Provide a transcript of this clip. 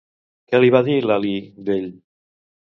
Què va dir Lalí d'ell?